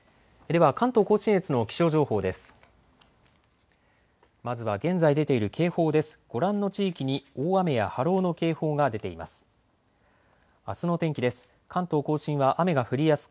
では関東甲信越の気象情報です。